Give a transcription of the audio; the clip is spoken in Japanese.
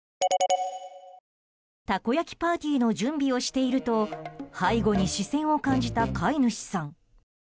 たこ焼きパーティーの準備をしていると背後に視線を感じた飼い主さん。